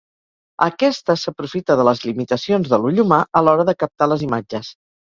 Aquesta s'aprofita de les limitacions de l'ull humà a l'hora de captar les imatges.